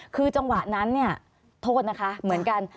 คือจังหวะนั้นเนี่ยโทษนะคะเหมือนกัน